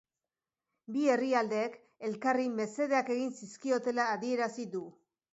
Bi herrialdeek elkarri mesedeak egin zizkiotela adierazi du.